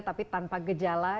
tapi tanpa gejala